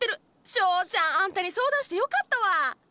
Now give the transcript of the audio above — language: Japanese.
翔ちゃんあんたに相談してよかったわ。